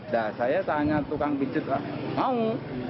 nah saya tanya tukang pijat mau